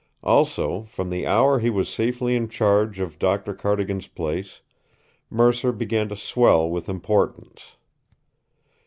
Also, from the hour he was safely in charge of Doctor Cardigan's place, Mercer began to swell with importance.